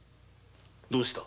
どうした？